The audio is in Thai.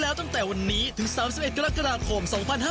วัน๑๑กรกฎาคม๒๕๖๖